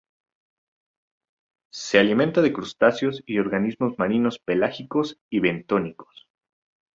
Se alimenta de crustáceos y organismos marinos pelágicos y bentónicos.